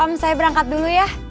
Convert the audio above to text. om saya berangkat dulu ya